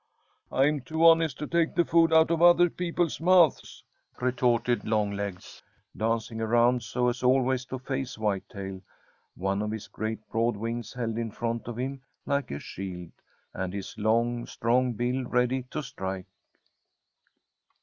"I'm too honest to take the food out of other people's mouths!" retorted Longlegs, dancing around so as always to face Whitetail, one of his great, broad wings held in front of him like a shield, and his long, strong bill ready to strike.